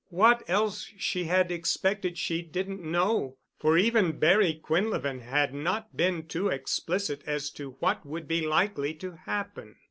What else she had expected, she didn't know, for even Barry Quinlevin had not been too explicit as to what would be likely to happen.